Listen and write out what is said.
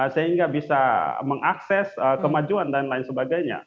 sehingga bisa mengakses kemajuan dan lain sebagainya